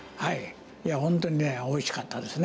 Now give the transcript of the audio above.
いや、本当にね、おいしかったですね。